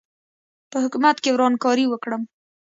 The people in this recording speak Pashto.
په حکومت کې ورانکاري وکړم.